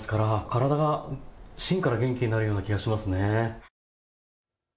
体と芯から元気になるような気がします。